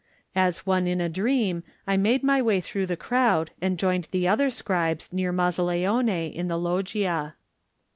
As one in a dream I made my way through the crowd and joined the other scribes near Mazzaleone in the loggia.